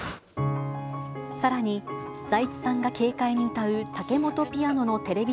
さらに財津さんが軽快に歌うタケモトピアノのテレビ